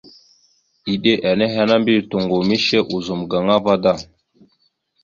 Eɗe nehe ana mbiyez toŋgov mishe ozum ava gaŋa da.